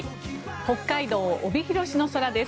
北海道帯広市の空です。